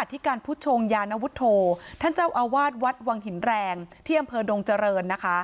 อธิการผู้ชงยานวุฒโธท่านเจ้าอาวาสวัดวังหินแรงที่อำเภอดงเจริญนะคะ